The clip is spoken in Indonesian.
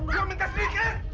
gua minta sedikit